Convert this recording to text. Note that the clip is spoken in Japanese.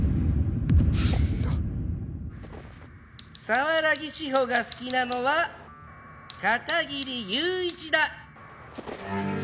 沢良宜志法が好きなのは片切友一だ。